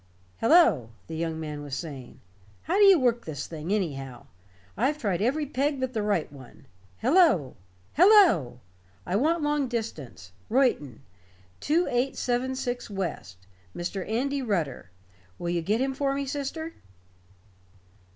"Hello," the young man was saying, "how do you work this thing, anyhow? I've tried every peg but the right one. Hello hello! I want long distance Reuton. 2876 West Mr. Andy Rutter. Will you get him for me, sister?"